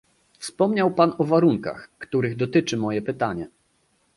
Wspomniał Pan o warunkach, których dotyczy moje pytanie